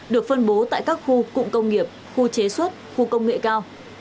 được phân bố tại các khu cụm công nghiệp khu chế xuất khu công nghệ cao